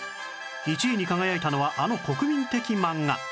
１位に輝いたのはあの国民的漫画